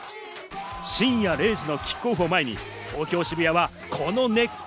深夜０時のキックオフを前に東京・渋谷はこの熱気。